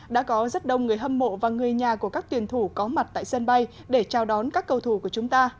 đã có rất đông người hâm mộ và người nhà của các tuyển thủ có mặt tại sân bay để chào đón các cầu thủ của chúng ta